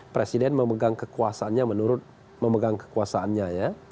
presiden memegang kekuasaannya menurut pemegang kekuasaannya